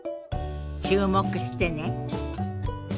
注目してね。